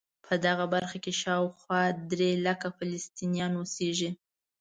په دغه برخه کې شاوخوا درې لکه فلسطینیان اوسېږي.